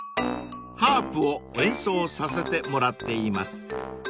［ハープを演奏させてもらっています］